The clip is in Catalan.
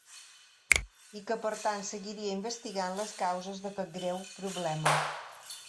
I que per tant, seguiria investigant les causes d’aquest greu problema.